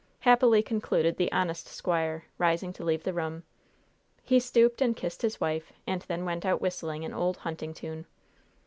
happily concluded the honest squire, rising to leave the room. He stooped and kissed his wife and then went out whistling an old hunting tune.